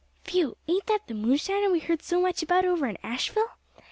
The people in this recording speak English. "Phew! ain't that the moonshiner we heard so much about over in Asheville?"